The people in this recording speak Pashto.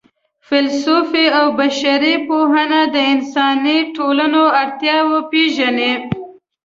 فېلسوفي او بشري پوهنې د انساني ټولنو اړتیاوې پېژني.